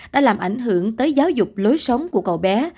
đã làm ảnh hưởng tới giáo dục lối sống của cậu bé